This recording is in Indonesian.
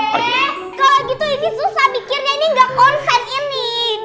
pakde kalo gitu ini susah bikirnya ini gak konsen ini